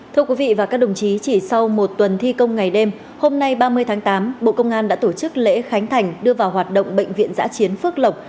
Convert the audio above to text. thưa quý vị và các đồng chí chỉ sau một tuần thi công ngày đêm hôm nay ba mươi tháng tám bộ công an đã tổ chức lễ khánh thành đưa vào hoạt động bệnh viện giã chiến phước lộc